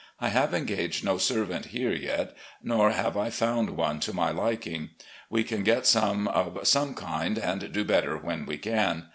I have engaged no servant here yet, nor have I found one to my liking. We can get some of some kind, and do better when we can.